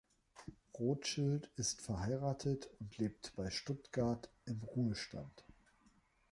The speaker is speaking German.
Rothschild ist verheiratet und lebt bei Stuttgart im Ruhestand.